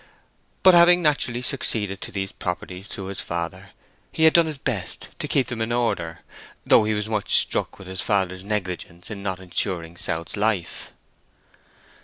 But having naturally succeeded to these properties through his father, he had done his best to keep them in order, though he was much struck with his father's negligence in not insuring South's life.